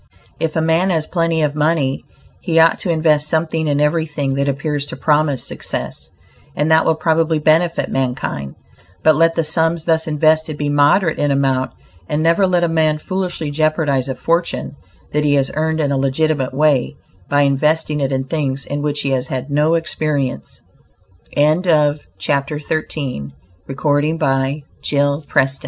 If a man has plenty of money, he ought to invest something in everything that appears to promise success, and that will probably benefit mankind; but let the sums thus invested be moderate in amount, and never let a man foolishly jeopardize a fortune that he has earned in a legitimate way, by investing it in things in which he has had no experience. DON'T INDORSE WITHOUT SECURITY I hold that no man